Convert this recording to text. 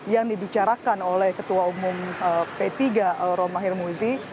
yang dibicarakan oleh ketua umum p tiga romahir muzi